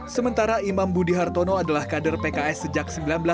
sementara imam budi hartono adalah kader pks sejak seribu sembilan ratus sembilan puluh